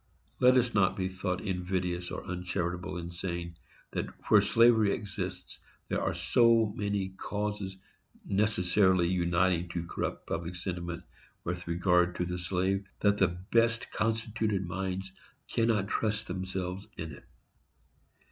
Let us not be thought invidious or uncharitable in saying, that where slavery exists there are so many causes necessarily uniting to corrupt public sentiment with regard to the slave, that the best constituted minds cannot trust themselves in it.